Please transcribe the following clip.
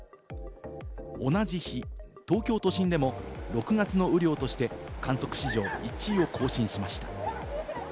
同じ日、東京都心でも６月の雨量として観測史上１位を更新しました。